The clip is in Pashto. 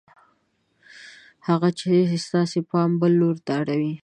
هغه څه چې ستاسې پام بل لور ته اړوي